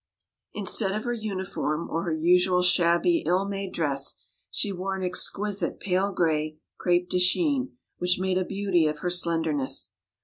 Instead of her uniform or her usual shabby, ill made dress, she wore an exquisite pale gray crepe de chine, which made a beauty of her slenderness.